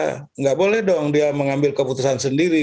tidak boleh dong dia mengambil keputusan sendiri